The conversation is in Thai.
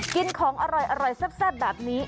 กินของอร่อยแซ่บแบบนี้